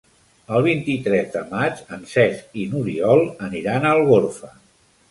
El vint-i-tres de maig en Cesc i n'Oriol aniran a Algorfa.